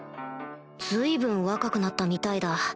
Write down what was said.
随分若くなったみたいだ